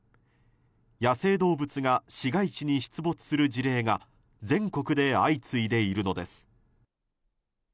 野生動物が市街地に出没する事例が全国で相次いでいるのです。